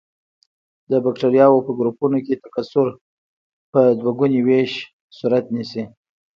د بکټریاوو په ګروپونو کې تکثر په دوه ګوني ویش صورت نیسي.